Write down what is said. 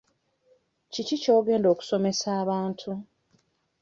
Kiki ky'ogenda okusomesa abantu?